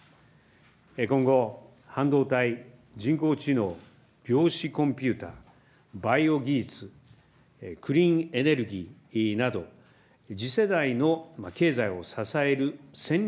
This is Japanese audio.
今後、半導体、人工知能、量子コンピュータ、バイオ技術、クリーンエネルギーなど、次世代の経済を支える戦略